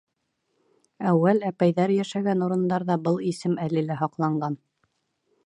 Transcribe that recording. Әүәл әпәйҙәр йәшәгән урындарҙа был исем әле лә һаҡланған.